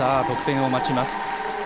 得点を待ちます。